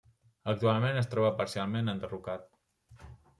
Actualment es troba parcialment enderrocat.